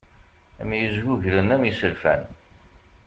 Myejguglen am iselfan.